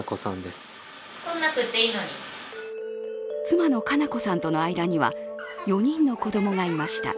妻の佳菜子さんとの間には４人の子供がいました。